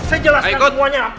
saya jelaskan semuanya